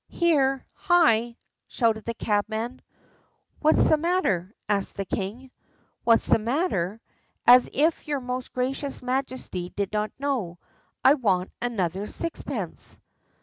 "Here, hi!" shouted the cabman. "What's the matter?" asked the king. "What's the matter? As if your most gracious Majesty did not know! I want another sixpence."